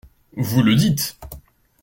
Vous le dites!